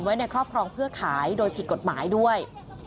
ไว้ในครอบครองเพื่อขายโดยผิดกฎหมายด้วย